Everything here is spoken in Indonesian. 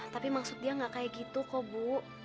tapi maksud dia gak kayak gitu kok bu